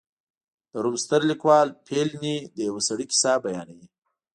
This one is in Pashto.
د روم ستر لیکوال پیلني د یوه سړي کیسه بیانوي